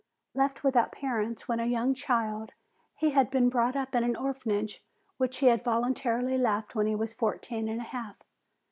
Left without parents when a young child, he had been brought up in an orphanage which he had voluntarily left when he was fourteen and a half.